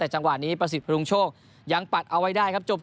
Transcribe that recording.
แต่จังหวะนี้ประสิทธิปรุงโชคยังปัดเอาไว้ได้ครับจบ